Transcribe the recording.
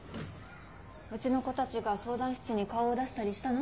うちの子たちが相談室に顔を出したりしたの？